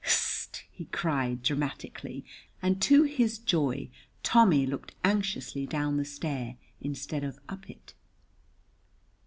"H'st!" he cried, dramatically, and to his joy Tommy looked anxiously down the stair, instead of up it.